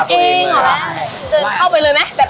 เกิดเข้าไปเลยไหม